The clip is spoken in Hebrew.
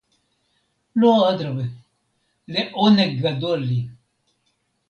לא, אדרבה! לעונג גדול לי